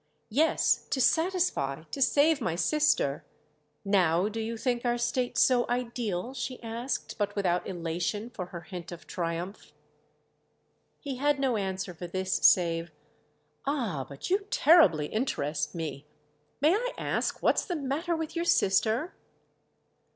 "Yes, to satisfy, to save my sister. Now do you think our state so ideal?" she asked—but without elation for her hint of triumph. He had no answer for this save "Ah, but you terribly interest me. May I ask what's the matter with your sister?"